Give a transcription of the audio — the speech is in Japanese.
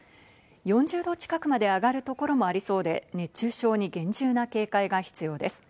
４０度近くまで上がるところもありそうで、熱中症に厳重な警戒が必要です。